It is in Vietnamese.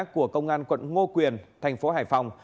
của công an quận ngô quyền thành phố hải phòng